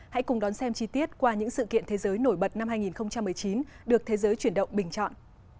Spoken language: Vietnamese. hãy cùng đón xem chi tiết qua những sự kiện thế giới nổi bật năm hai nghìn một mươi chín được thế giới chuyển động bình chọn